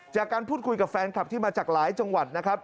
จากการพูดคุยกับแฟนคลับที่มาจากหลายจังหวัดนะครับ